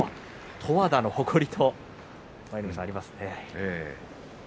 十和田の誇り、とありますね。